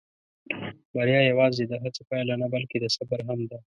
بریا یواځې د هڅې پایله نه، بلکې د صبر هم ده.